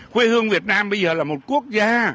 quê hương việt nam bây giờ là một quốc gia